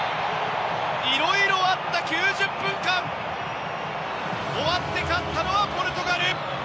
いろいろあった９０分間終わって勝ったのはポルトガル。